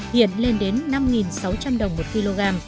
hiện lên đến năm sáu trăm linh đồng một kg